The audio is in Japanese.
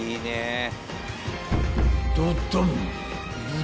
［ドドン！］